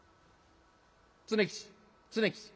「常吉常吉。